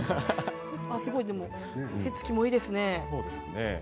すごい手つきもいいですね。